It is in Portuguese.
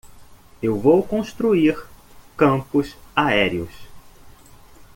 Eu vou construir campos aéreos.